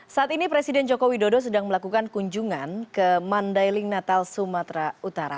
saat ini presiden joko widodo sedang melakukan kunjungan ke mandailing natal sumatera utara